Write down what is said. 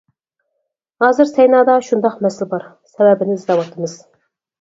ھازىر سەينادا شۇنداق مەسىلە بار، سەۋەبىنى ئىزدەۋاتىمىز.